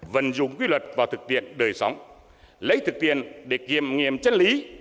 vận dụng quy luật vào thực tiện đời sống lấy thực tiện để kiềm nghiệm chân lý